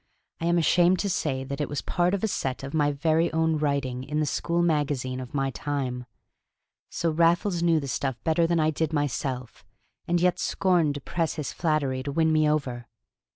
I am ashamed to say that it was part of a set of my very own writing in the school magazine of my time. So Raffles knew the stuff better than I did myself, and yet scorned to press his flattery to win me over!